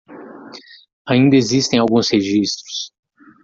Ainda existem alguns registros